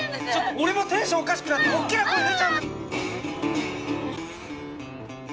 俺もテンションおかしくなって大っきな声出ちゃう。